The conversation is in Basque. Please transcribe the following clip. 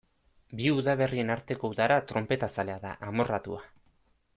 Bi udaberrien arteko udara tronpetazalea da, amorratua.